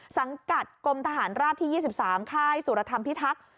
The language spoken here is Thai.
สังกัดกรมทหารราบที่๒๓ค่ายสุรธรรมพิทักษ์